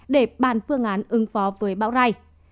để bàn phương án ứng phó với bão rai